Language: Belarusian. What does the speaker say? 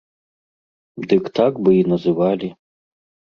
Дык так бы і называлі!